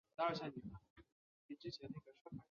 克雷加文是英国的一座城市。